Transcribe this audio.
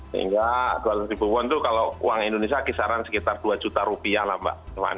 sehingga dua ratus ribu won itu kalau uang indonesia kisaran sekitar dua juta rupiah lah mbak